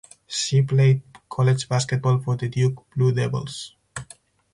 She played college basketball for the Duke Blue Devils.